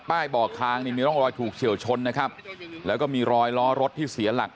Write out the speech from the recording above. บอกทางนี่มีร่องรอยถูกเฉียวชนนะครับแล้วก็มีรอยล้อรถที่เสียหลัก